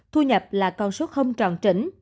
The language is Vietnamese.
thu nhập là con suất không tròn trỉnh